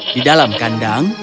di dalam kandang